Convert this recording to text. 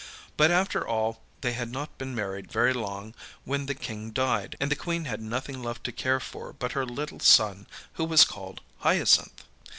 But after all, they had not been married very long when the King died, and the Queen had nothing left to care for but her little son, who was called Hyacinth.